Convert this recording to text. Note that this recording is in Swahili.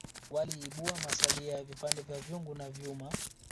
waliibua masalia ya vipande vya vyungu na vyuma